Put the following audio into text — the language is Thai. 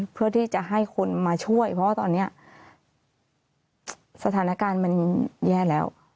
เพื่อที่จะให้คนมาช่วยเพราะว่าตอนนี้สถานการณ์มันแย่แล้ว